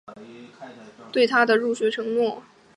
但乔丹选择履行他对德州农工大学的入学承诺。